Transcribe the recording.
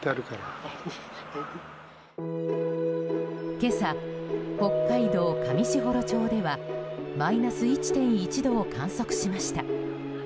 今朝、北海道上士幌町ではマイナス１．１度を観測しました。